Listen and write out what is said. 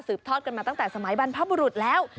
ทอดกันมาตั้งแต่สมัยบรรพบุรุษแล้ว